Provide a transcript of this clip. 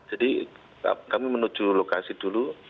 kami menuju lokasi dulu